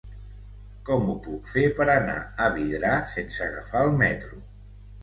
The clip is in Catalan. Com ho puc fer per anar a Vidrà sense agafar el metro?